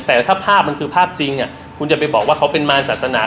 แต่ถ้าภาพมันคือภาพจริงคุณจะไปบอกว่าเขาเป็นมารศาสนา